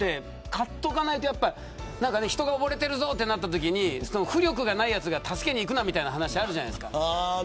買っておかないと人が溺れてるぞってなったときに浮力がないやつが助けに行くなみたいな話があるじゃないですか。